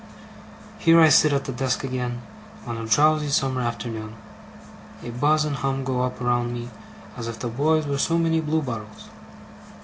Here I sit at the desk again, on a drowsy summer afternoon. A buzz and hum go up around me, as if the boys were so many bluebottles.